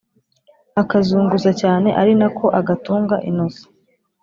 akazunguza cyane arinako agatunga innocent